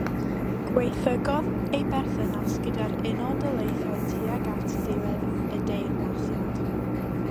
Gwaethygodd ei berthynas gyda'r Unol Daleithiau tuag at ddiwedd ei deyrnasiad.